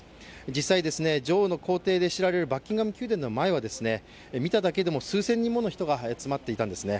実際、女王の公邸で知られるバッキンガム宮殿の前は見ただけでも数千人もの人が集まっていたんですね。